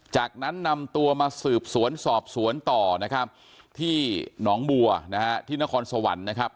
จากนั้นนำตัวมาสืบสวนสอบสวนต่อนะครับที่หนองบัวนะฮะที่นครสวรรค์นะครับ